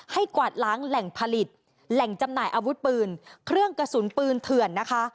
กวาดล้างแหล่งผลิตแหล่งจำหน่ายอาวุธปืนเครื่องกระสุนปืนเถื่อนนะคะ